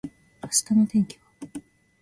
明日の天気は？